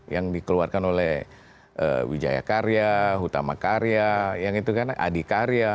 yang dikeluarkan oleh wijaya karya hutama karya yang itu kan adikarya